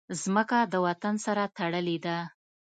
مځکه د وطن سره تړلې ده.